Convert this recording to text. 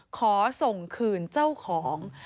ขอส่งคืนเจ้าของ